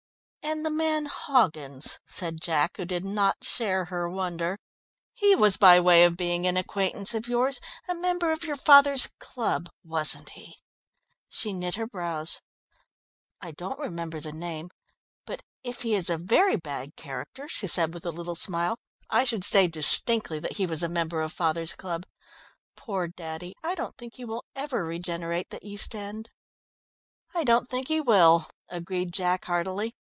"And the man Hoggins," said Jack, who did not share her wonder. "He was by way of being an acquaintance of yours, a member of your father's club, wasn't he?" She knit her brows. "I don't remember the name, but if he is a very bad character," she said with a little smile, "I should say distinctly that he was a member of father's club! Poor daddy, I don't think he will ever regenerate the East End." "I don't think he will," agreed Jack heartily.